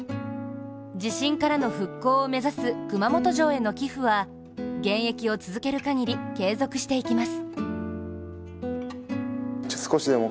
地震からの復興を目指す熊本城への寄付は現役を続けるかぎり、継続していきます。